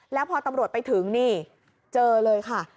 แล้วพอตำรวจไปถึงนี่เจอเลยค่ะ